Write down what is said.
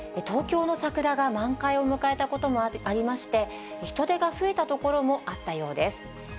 東京の桜が満開を迎えたこともありまして、人出が増えた所もあったようです。